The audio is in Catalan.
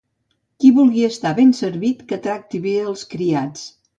Qui vulgui estar ben servit, que tracti bé els criats.